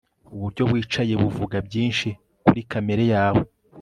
uburyo wicaye buvuga byinshi kuri kamere yawe